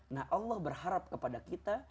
nah allah berharap kepada kita